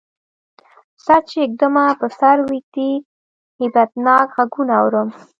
سر چی ږدمه په سر ویږدی، هیبتناک غږونه اورم